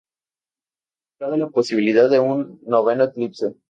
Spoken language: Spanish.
Cabe la posibilidad de un noveno eclipse.